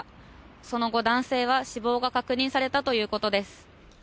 その後、男性は死亡が確認されたということです。